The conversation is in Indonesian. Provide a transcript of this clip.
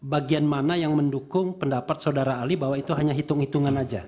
bagian mana yang mendukung pendapat saudara ali bahwa itu hanya hitung hitungan saja